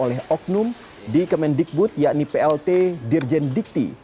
oleh oknum di kemendikbud yakni plt dirjen dikti